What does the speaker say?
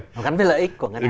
gắn với lợi ích của ngân hàng